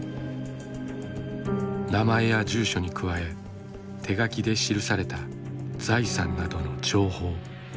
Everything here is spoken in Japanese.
名前や住所に加え手書きで記された財産などの情報。